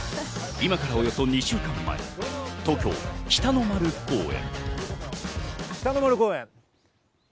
今からおよそ２週間前、東京、北の丸公園。